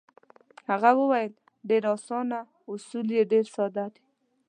هغه وویل: ډېر اسانه، اصول یې ډېر ساده دي.